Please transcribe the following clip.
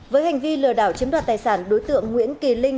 với hành vi lừa đảo chiếm đoạt tài sản đối tượng nguyễn kỳ linh